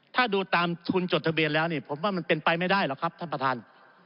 ถ้าดูตามทุนจดทะเบียนแล้วนี่ผมว่ามันเป็นไปไม่ได้หรอกครับท่านประธาน